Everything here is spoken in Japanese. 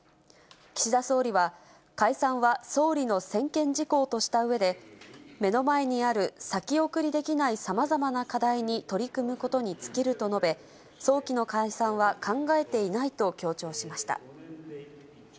岸田総理は、解散は総理の専権事項としたうえで、目の前にある先送りできないさまざまな課題に取り組むことに尽きると述べ、早期の解散は考えていないと強調しました。